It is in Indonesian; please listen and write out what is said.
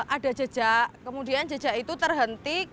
ada jejak kemudian jejak itu terhenti